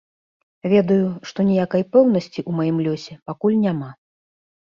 Ведаю, што ніякай пэўнасці ў маім лёсе пакуль няма.